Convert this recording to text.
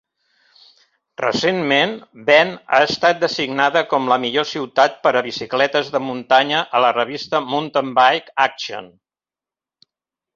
Recentment, Bend ha estat designada com la millor ciutat per a bicicletes de muntanya a la revista Mountain Bike Action.